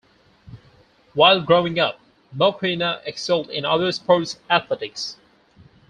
While growing up, Mokoena excelled in other sports athletics.